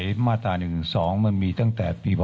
ขอบพระคุณนะครับ